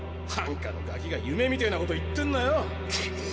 ハンカのガキが夢みてえなこと言ってんなよ！